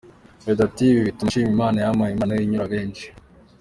Meddy ati ’Ibi bituma nshima Imana yampaye impano inyura benshi’.